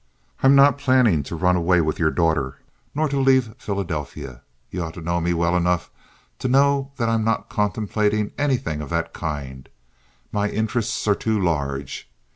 I'm not planning to run away with your daughter, nor to leave Philadelphia. You ought to know me well enough to know that I'm not contemplating anything of that kind; my interests are too large.